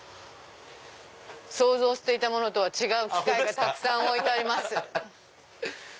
想像していたものとは違う機械がたくさん置いてあります。